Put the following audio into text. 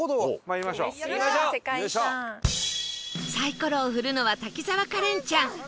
サイコロを振るのは滝沢カレンちゃん